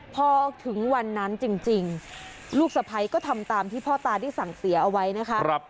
พอถึงวันนั้นจริงลูกสะพ้ายก็ทำตามที่พ่อตาได้สั่งเสียเอาไว้นะคะ